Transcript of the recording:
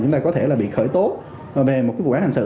chúng ta có thể là bị khởi tố về một vụ án hành sự